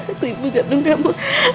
aku ibu gak nunggu kamu